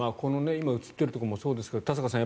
今映っているところもそうですが田坂さん